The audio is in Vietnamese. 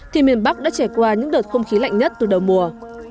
thì miền bắc đã trải qua những đợt không khí lạnh nhất từ đầu mùa